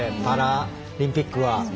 パラリンピックは。